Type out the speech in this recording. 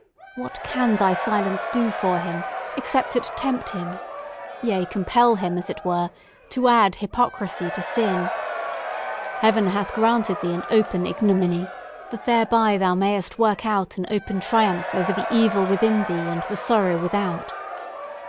What can thy silence do for him, except it tempt him—yea, compel him, as it were—to add hypocrisy to sin? Heaven hath granted thee an open ignominy, that thereby thou mayest work out an open triumph over the evil within thee and the sorrow without.